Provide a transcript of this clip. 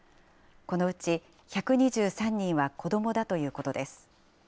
このうち１２３人は子どもだということです。